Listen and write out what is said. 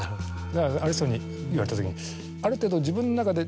だからある人に言われた「ある程度自分の中で」。